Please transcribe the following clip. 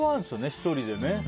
１人でね。